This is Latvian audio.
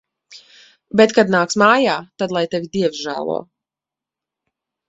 Bet kad nāks mājā, tad lai tevi Dievs žēlo.